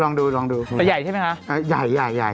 รถมันใหญ่ใช่ไหมคะ